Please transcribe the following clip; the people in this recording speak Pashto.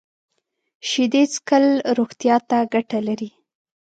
شیدې څښل روغتیا ته ګټه لري